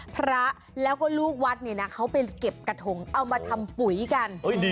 พระแล้วก็ลูกวัดเนี่ยนะเขาไปเก็บกระทงเอามาทำปุ๋ยกัน